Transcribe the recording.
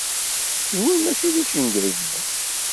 Kenwi mačči d icenga-ines.